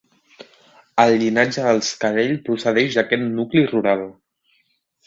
El llinatge dels Cadell procedeix d'aquest nucli rural.